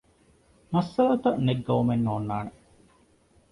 މައްސަލަތައް ނެތް ގައުމެއް ނޯންނާނެ